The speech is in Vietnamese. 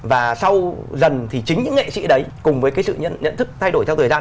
và sau dần thì chính những nghệ sĩ đấy cùng với cái sự nhận thức thay đổi theo thời gian